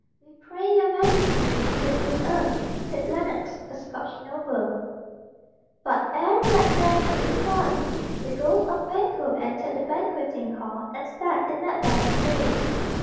"We pray your Majesty to sit with us," said Lennox, a Scotch noble; but ere Macbeth could reply, the ghost of Banquo entered the banqueting hall and sat in Macbeth's place.